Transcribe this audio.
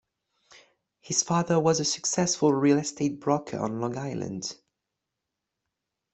His father was a successful real estate broker on Long Island.